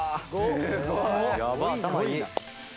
すごいな。